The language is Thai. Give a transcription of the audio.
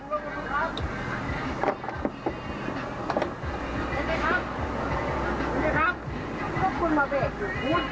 เห็นไหมครับ